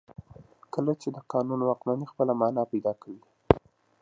کله چې د قانون واکمني خپله معنا پیدا کوي.